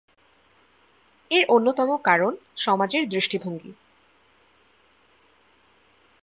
এর অন্যতম কারণ সমাজের দৃষ্টিভঙ্গী।